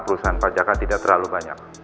perusahaan pajakan tidak terlalu banyak